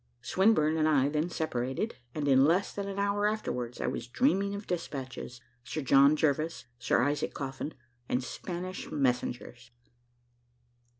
Swinburne and I then separated, and in less than an hour afterwards I was dreaming of despatches Sir John Jervis Sir Isaac Coffin and Spanish messengers.